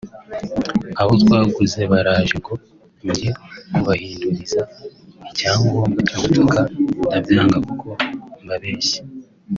Abo twaguze baraje ngo njye kubahinduriza [icyangombwa cy’u butaka] ndabyanga kuko bambeshye